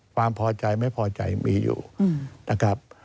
ความพอใจไม่พอใจมีอยู่นะครับ